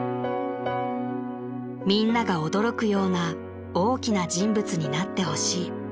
［みんなが驚くような大きな人物になってほしい］